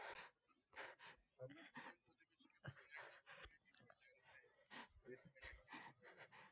আমার দুজন প্রতিবেশীকে থানায় ডেকে নেওয়ার বিষয়ে জানতে আমি থানায় গিয়েছিলাম।